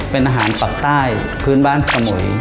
เป็นอาหารปากใต้พื้นบ้านสมุย